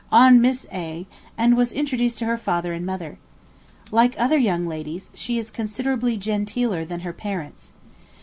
on Miss A. and was introduced to her father and mother. Like other young ladies she is considerably genteeler than her parents.